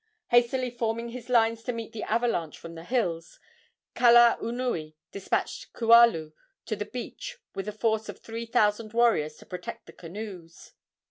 Hastily forming his lines to meet the avalanche from the hills, Kalaunui despatched Kualu to the beach with a force of three thousand warriors to protect the canoes.